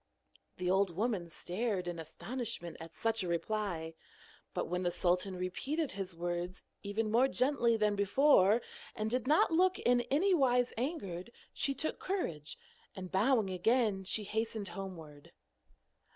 The old woman stared in astonishment at such a reply. But when the sultan repeated his words even more gently than before, and did not look in anywise angered, she took courage, and bowing again she hastened homeward.